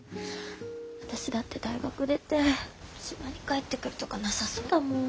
私だって大学出て島に帰ってくるとかなさそうだもん。